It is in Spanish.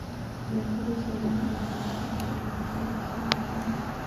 En el sur de su área de distribución está restringido a las zonas montañosas.